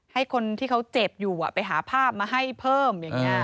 ให้คนที่เขาเจ็บอยู่อะไปหาภาพมาให้เพิ่ม